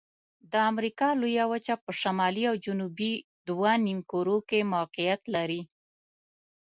د امریکا لویه وچه په شمالي او جنوبي دوه نیمو کرو کې موقعیت لري.